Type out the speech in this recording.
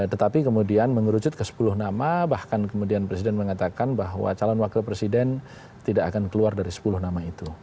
tetapi kemudian mengerucut ke sepuluh nama bahkan kemudian presiden mengatakan bahwa calon wakil presiden tidak akan keluar dari sepuluh nama itu